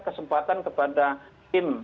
kesempatan kepada tim